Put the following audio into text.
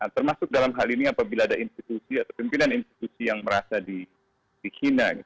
termasuk dalam hal ini apabila ada institusi atau pimpinan institusi yang merasa dihina